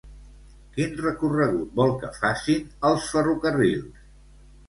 Quin recorregut vol que facin els ferrocarrils?